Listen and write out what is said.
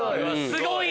すごい！